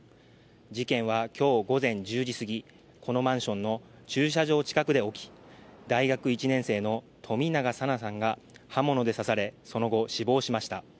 事件は今日午前１０時すぎ、このマンションの駐車場近くで起き、大学１年生の冨永紗菜さんが刃物で刺され、その後、死亡しました。